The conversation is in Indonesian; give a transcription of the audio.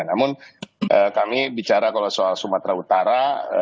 namun kami bicara kalau soal sumatera utara